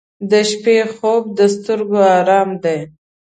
• د شپې خوب د سترګو آرام دی.